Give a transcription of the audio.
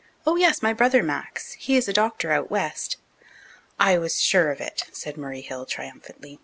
"Oh, yes, my brother Max. He is a doctor out west." "I was sure of it," said Murray Hill triumphantly.